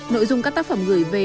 nội dung các tác phẩm gửi về